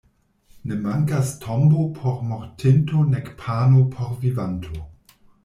Ne mankas tombo por mortinto nek pano por vivanto.